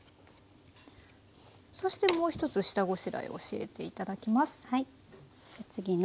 そしてもう一つ下ごしらえ教えていただきます。